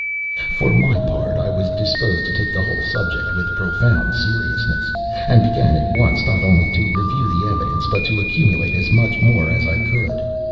For my part, I was disposed to take the whole subject with profound seriousness, and began at once not only to review the evidence, but to accumulate as much more as I could.